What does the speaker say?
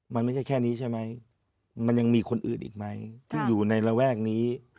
มันไม่ใช่แค่นี้ใช่ไหมมันยังมีคนอื่นอีกไหมที่อยู่ในระแวกนี้